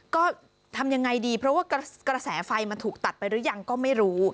ก็ทำยังไงดีเพราะว่ากระแสไฟมันถูกตัดไปหรือยังก็ไม่รู้